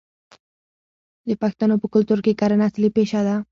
د پښتنو په کلتور کې کرنه اصلي پیشه ده.